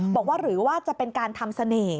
หรือว่าจะเป็นการทำเสน่ห์